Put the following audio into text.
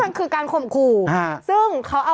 พี่ขับรถไปเจอแบบ